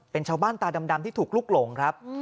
เป็นชาวบ้านตาดำที่ถูกลุกหลงครับ